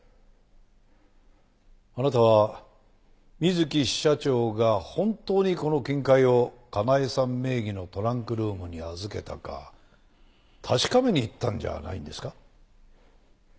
あなたは水木支社長が本当にこの金塊を香苗さん名義のトランクルームに預けたか確かめに行ったんじゃないんですか？